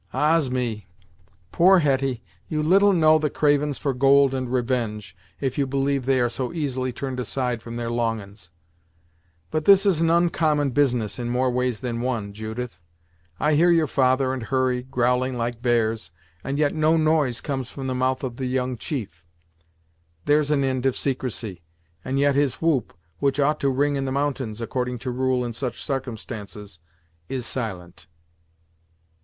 "Ah's me! Poor Hetty, you little know the cravin's for gold and revenge, if you believe they are so easily turned aside from their longin's! But this is an uncommon business in more ways than one, Judith. I hear your father and Hurry growling like bears, and yet no noise comes from the mouth of the young chief. There's an ind of secrecy, and yet his whoop, which ought to ring in the mountains, accordin' to rule in such sarcumstances, is silent!"